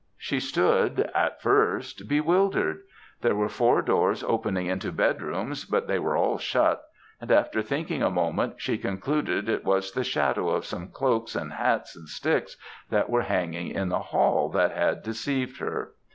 She stood at first bewildered. There were four doors opening into bedrooms, but they were all shut; and after thinking a moment, she concluded it was the shadow of some cloaks and hats, and sticks, that were hanging in the hall, that had deceived her.